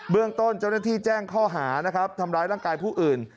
เรื่องต้นเจ้าหน้าที่แจ้งข้อหานะครับทำร้ายร่างกายผู้อื่น